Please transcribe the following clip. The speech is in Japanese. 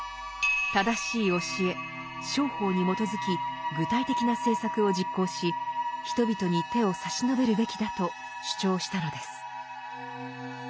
正しい教え「正法」に基づき具体的な政策を実行し人々に手を差し伸べるべきだと主張したのです。